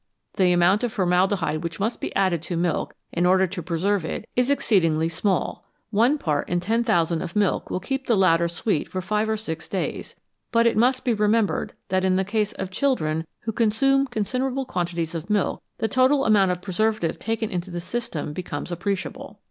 The amount of formaldehyde which must be added to milk in order to preserve it is certainly exceedingly small 1 part in 10,000 of milk will keep the latter sweet for five or six days but it must be remembered that in the case of children who consume considerable quantities of milk, the total amount of preservative taken into the system be comes appreciable.